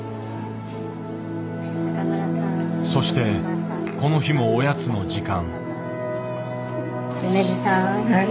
そしてこの日もおやつの時間。